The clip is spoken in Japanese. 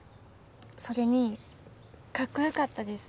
それにかっこよかったです。